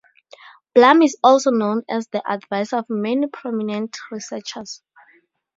Blum is also known as the advisor of many prominent researchers.